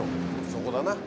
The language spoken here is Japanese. そこだな。